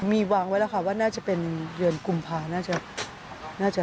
มีวางไว้แล้วค่ะว่าน่าจะเป็นเดือนกุมภาน่าจะ